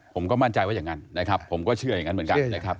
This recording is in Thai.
ผมก็มั่นใจว่าอย่างนั้นนะครับผมก็เชื่ออย่างนั้นเหมือนกันนะครับ